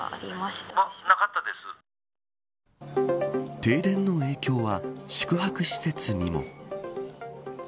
停電の影響は宿泊施設にも。